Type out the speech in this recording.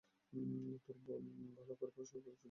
তোর ভালো করে পড়াশোনা করা উচিত, বাব।